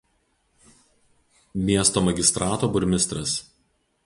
Miesto magistrato burmistras.